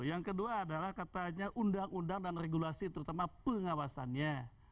yang kedua adalah katanya undang undang dan regulasi terutama pengawasannya